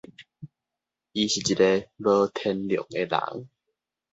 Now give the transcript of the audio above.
伊是一个無天良的人